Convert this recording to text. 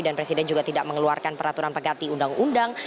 dan presiden juga tidak mengeluarkan peraturan peganti undang undang